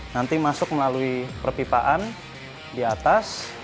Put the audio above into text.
nanti masuk melalui perpipaan di atas